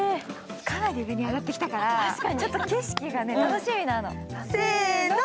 かなり上に上がってきたからちょっと景色が楽しみなの。